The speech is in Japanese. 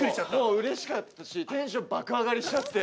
うれしかったしテンション爆上がりしちゃって。